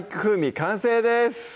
完成です